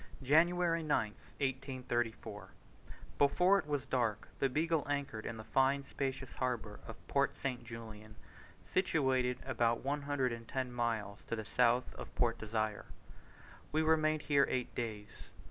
January 9th, 1834. Before it was dark the Beagle anchored in the fine spacious harbour of Port St. Julian, situated about one hundred and ten miles to the south of Port Desire. We remained here eight days.